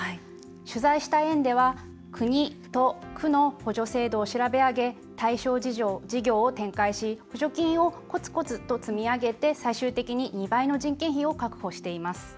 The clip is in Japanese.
取材した園では国、都、区の補助制度を調べ上げ対象事業を展開し補助金をこつこつと積み上げて最終的に２倍の人件費を確保しています。